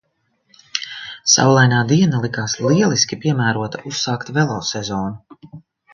Saulainā diena likās lieliski piemērota uzsākt velosezonu.